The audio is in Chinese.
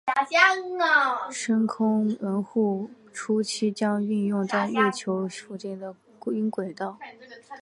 深空门户初期将运行在月球附近的晕轨道。